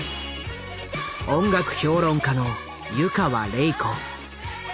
音楽評論家の湯川れい子。